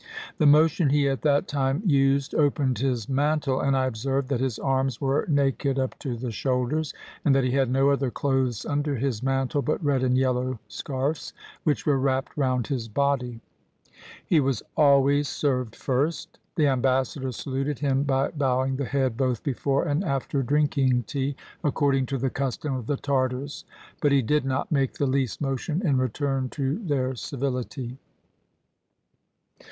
The motion he at that time used opened his mantle, and I observed that his arms were naked up to the shoulders, and that he had no other clothes under his mantle but red and yel low scarfs, which were wrapped round his body. He was 170 A VISIT TO A LAMA always served first. The ambassadors saluted him by bowing the head both before and after drinking tea, according to the custom of the Tartars; but he did not make the least motion in return to their civility.